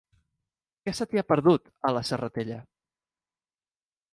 Què se t'hi ha perdut, a la Serratella?